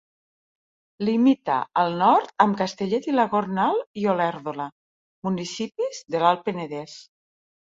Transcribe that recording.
Limita al nord amb Castellet i la Gornal i Olèrdola, municipis de l'Alt Penedès.